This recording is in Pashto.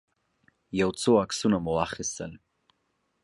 يو څو عکسونه مو واخيستل.